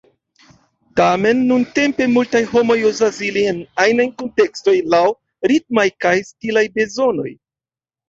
Tamen nuntempe multaj homoj uzas ilin en ajnaj kuntekstoj, laŭ ritmaj kaj stilaj bezonoj.